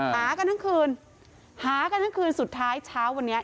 หากันทั้งคืนหากันทั้งคืนสุดท้ายเช้าวันนี้